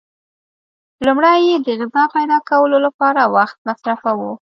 لومړی یې د غذا پیدا کولو لپاره وخت مصرفاوه.